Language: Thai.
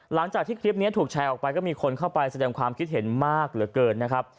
หลังจากที่คลิปนี้ถูกแชร์ออกไปก็มีคนเข้าไปแสดงความคิดเห็นมากเหลือเกินนะครับ